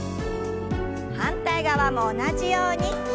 反対側も同じように。